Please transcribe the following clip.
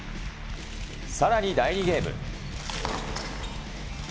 さらに第２ゲーム。